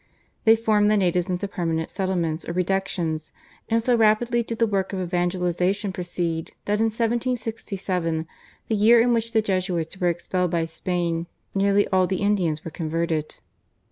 They formed the natives into permanent settlements or reductions, and so rapidly did the work of evangelisation proceed that in 1767, the year in which the Jesuits were expelled by Spain, nearly all the Indians were converted.